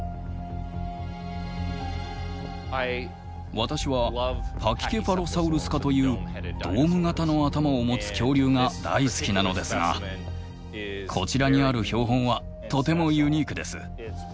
私はパキケファロサウルス科というドーム型の頭を持つ恐竜が大好きなのですがこちらにある標本はとてもユニークです。